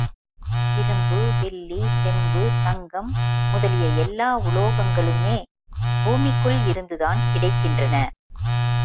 இரும்பு, வெள்ளி, செம்பு, தங்கம் முதலிய எல்லா உலோகங்களுமே பூமிக்குள் இருந்துதான் கிடைக்கின்றன.